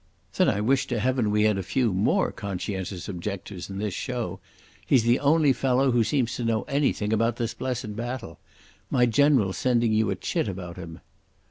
"Then I wish to Heaven we had a few more conscientious objectors in this show. He's the only fellow who seems to know anything about this blessed battle. My general's sending you a chit about him."